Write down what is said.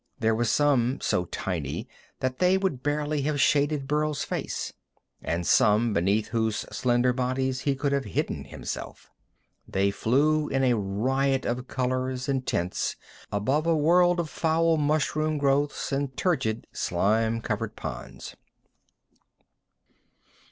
There were some so tiny that they would barely have shaded Burl's face, and some beneath whose slender bodies he could have hidden himself. They flew in a riot of colors and tints above a world of foul mushroom growths, and turgid, slime covered ponds.